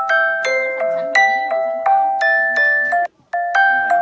เหมือนกัน